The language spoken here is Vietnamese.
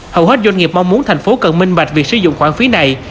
hầu hết doanh nghiệp mong muốn thành phố cần minh bạch việc sử dụng khoản phí này